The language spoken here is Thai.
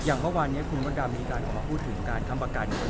อย่างเมื่อวานเนี้ยองคุณบัดดำมีการออกมาพูดถึงการทำประกาศ